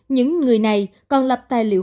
những người này còn lập tài liệu